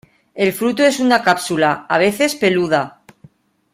El fruto es una cápsula, a veces peluda.